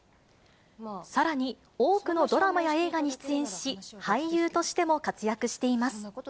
さらに多くのドラマや映画に出演し、俳優としても活躍しています。